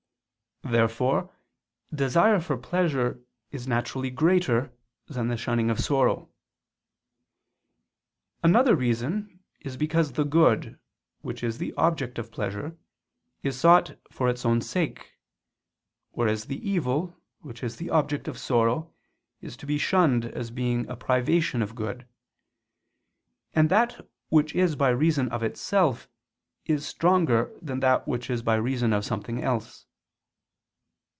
Therefore desire for pleasure is naturally greater than the shunning of sorrow. Another reason is because the good, which is the object of pleasure, is sought for its own sake: whereas the evil, which is the object of sorrow, is to be shunned as being a privation of good: and that which is by reason of itself is stronger than that which is by reason of something else.